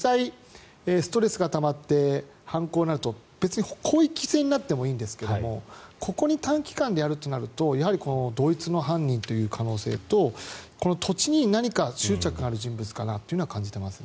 実際、ストレスがたまって犯行となると広域性になってもいんですけどここに短期間でやるとなると同一の犯人という可能性と土地に何か執着がある人物かなと感じていますね。